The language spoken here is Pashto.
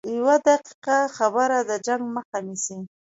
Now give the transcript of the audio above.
یوه دقیقه خبره د جنګ مخه نیسي